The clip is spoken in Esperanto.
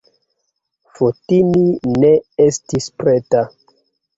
Fotini ne estis preta.